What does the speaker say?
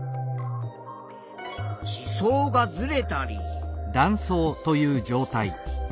地層がずれたり。